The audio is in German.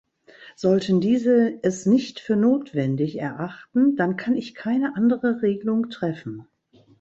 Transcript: Sollten diese es nicht für notwendig erachten, dann kann ich keine andere Regelung treffen.